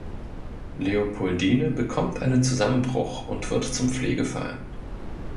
Leopoldine bekommt einen Zusammenbruch und wird zum Pflegefall.